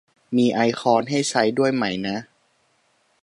มีไอคอนให้ใช้ด้วยไหมนะ